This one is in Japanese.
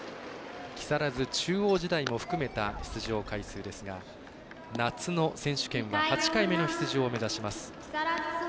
木更津中央時代も含めた出場回数ですが夏の選手権は８回目の出場を目指します。